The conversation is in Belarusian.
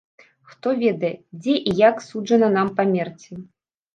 Хто ведае, дзе і як суджана нам памерці?